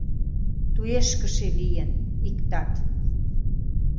Туешкыше лийын — иктат